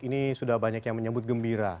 ini sudah banyak yang menyebut gembira